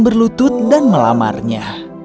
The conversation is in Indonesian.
berlutut dan melamarnya